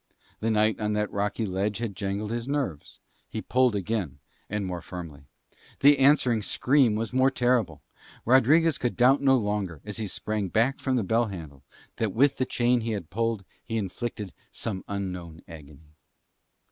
The night on that rocky ledge had jangled his nerves. He pulled again and more firmly. The answering scream was more terrible. Rodriguez could doubt no longer, as he sprang back from the bell handle, that with the chain he had pulled he inflicted some unknown agony.